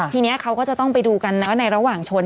ทีนี้เขาก็จะต้องไปดูกันว่าในระหว่างชน